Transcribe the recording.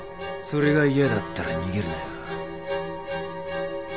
それが嫌だったら逃げるなよ。